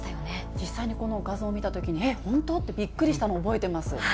実際にこの画像を見たときに、えっ、本当ってびっくりしたのを覚えています。